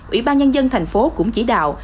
ủy ban nhân dân thành phố cũng chỉ đạo